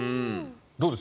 どうです？